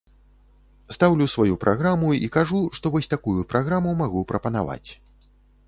Стаўлю сваю праграму і кажу, што вось такую праграму магу прапанаваць.